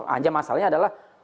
hanya masalahnya adalah